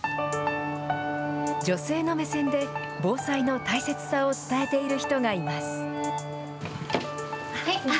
女性の目線で防災の大切さを伝えている人がいます。